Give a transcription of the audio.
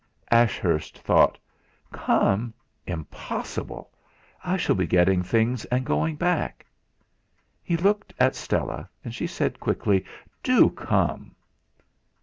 Ashurst thought: 'Come! Impossible. I shall be getting things and going back.' He looked at Stella. She said quickly: "Do come!"